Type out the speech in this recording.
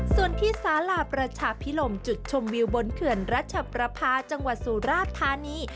ส่วนที่สาลาประชาพิลมจุดชมวิวบนเขื่อนรัชประพาจังหวัดสุราชธานี